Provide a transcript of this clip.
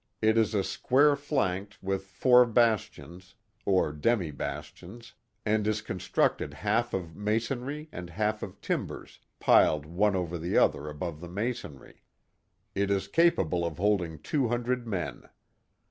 It is a square flanked with four bastions, or demi bastions, and is constructed half of masonry and half of limbers, piled one over the other above the masonry. It is capable of holding two hundred men.